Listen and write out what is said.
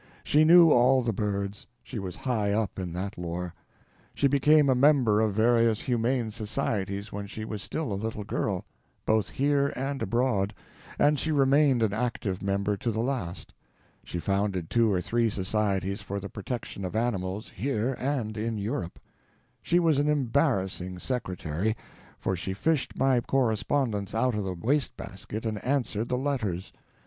She knew all the birds; she was high up in that lore. She became a member of various humane societies when she was still a little girl—both here and abroad—and she remained an active member to the last. She founded two or three societies for the protection of animals, here and in Europe. She was an embarrassing secretary, for she fished my correspondence out of the waste basket and answered the letters.